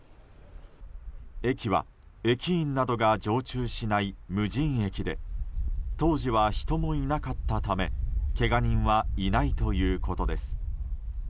駅は、駅員などが常駐しない無人駅で当時は人もいなかったためけが人はいないということです。